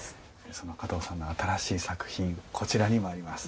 その加藤さんの新しい作品こちらにもあります。